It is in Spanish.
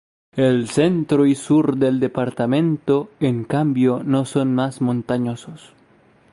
El centro y sur del departamento, en cambio, son más montañosos.